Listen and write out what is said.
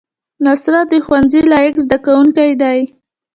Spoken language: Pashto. نصرت د ښوونځي لایق زده کوونکی دی